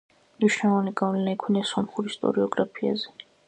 მნიშვნელოვანი გავლენა იქონია სომხურ ისტორიოგრაფიაზე.